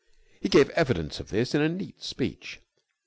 He gave evidence of this in a neat speech.